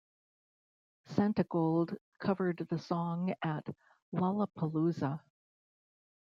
Santigold covered the song at Lollapalooza.